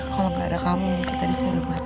kalo gak ada kamu kita disini rumah